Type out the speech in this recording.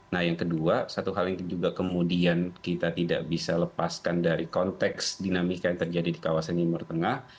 nah yang kedua satu hal yang juga kemudian kita tidak bisa lepaskan dari konteks dinamika yang terjadi di kawasan timur tengah